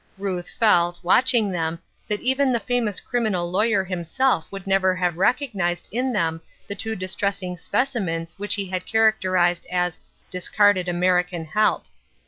Ruth felt, watching them, that even the famous criminal lawyer himself would never have recognized in them the two distressing specimens which he had char acterized as " discarded American help."